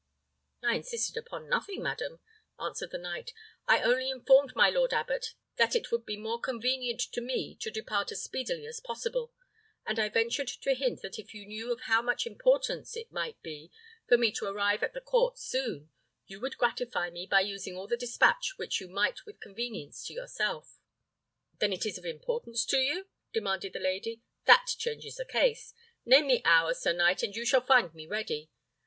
"I insisted upon nothing, madam," answered the knight, "I only informed my lord abbot that it would be more convenient to me to depart as speedily as possible; and I ventured to hint that if you knew of how much importance it might be for me to arrive at the court soon, you would gratify me by using all the despatch which you might with convenience to yourself." "Then it is of importance to you?" demanded the lady; "that changes the case. Name the hour, sir knight, and you shall find me ready.